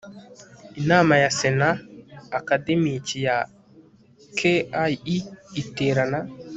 Inama ya Sena Akademiki ya KIE iterana